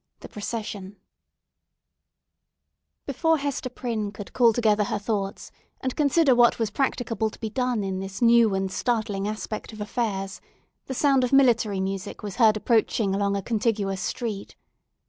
THE PROCESSION Before Hester Prynne could call together her thoughts, and consider what was practicable to be done in this new and startling aspect of affairs, the sound of military music was heard approaching along a contiguous street.